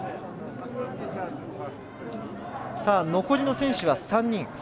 残りの選手は３人。